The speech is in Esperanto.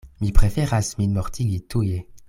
Mi preferas min mortigi tuje.